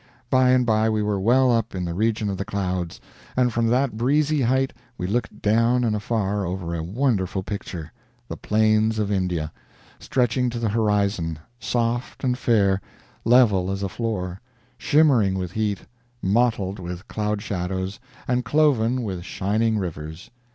By and by we were well up in the region of the clouds, and from that breezy height we looked down and afar over a wonderful picture the Plains of India, stretching to the horizon, soft and fair, level as a floor, shimmering with heat, mottled with cloud shadows, and cloven with shining rivers.